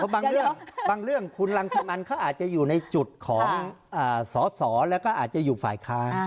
บางเรื่องบางเรื่องคุณรังสิมันเขาอาจจะอยู่ในจุดของสอสอแล้วก็อาจจะอยู่ฝ่ายค้าน